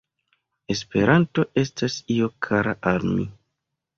“Esperanto estas io kara al mi.